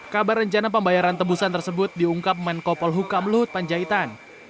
kabar rencana pembayaran tebusan tersebut diungkap menko polhukam luhut panjaitan